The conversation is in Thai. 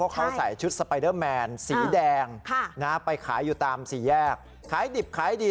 เขาใส่ชุดสไปเดอร์แมนสีแดงไปขายอยู่ตามสี่แยกขายดิบขายดี